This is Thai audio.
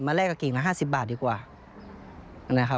มาแลกกับกลิ่งละ๕๐บาทดีกว่า